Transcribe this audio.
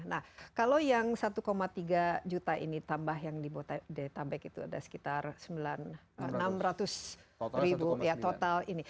nah kalau yang satu tiga juta ini tambah yang di detabek itu ada sekitar enam ratus ribu ya total ini